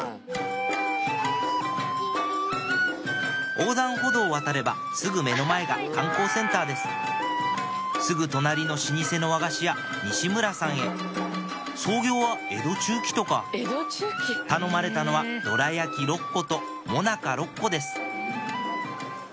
横断歩道を渡ればすぐ目の前が観光センターですすぐ隣の老舗の和菓子屋西むらさんへ創業は江戸中期とか頼まれたのはどら焼き６個ともなか６個です